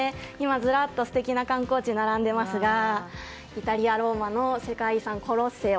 ずらっと素敵な観光地が並んでいますがイタリア・ローマの世界遺産コロッセオ